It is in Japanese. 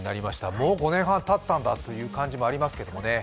もう５年半たったんだという感じもありますけれどもね。